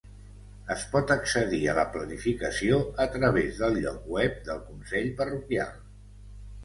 Es pot accedir a la planificació a través del lloc web del consell parroquial.